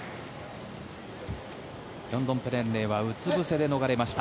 ヨンドンペレンレイはうつ伏せで逃れました。